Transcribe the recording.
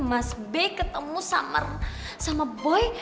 mas b ketemu summer sama boy